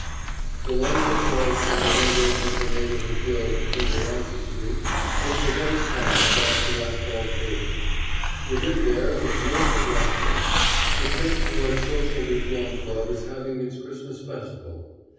The light that falls from the windows of the Neighborhood Guild, in Delancey street, makes a white path across the asphalt pavement. Within there is mirth and laughter. The Tenth Ward Social Reform Club is having its Christmas festival.